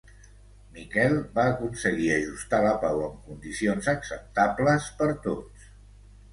Miquel va aconseguir ajustar la pau amb condicions acceptables per tots.